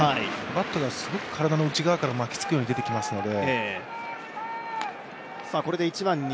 バットがすごく体の内側から巻きつくように出てきますので。